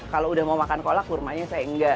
kalau udah mau makan kolak kurmanya saya enggak